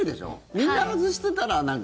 みんな外してたら、なんか。